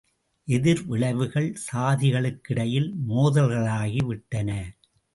எதிர் விளைவுகள் சாதிகளுக்கிடையில் மோதல்களாகி விட்டன.